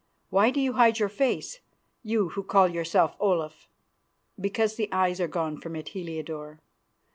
Why do you hide your face, you who call yourself Olaf?" "Because the eyes are gone from it, Heliodore.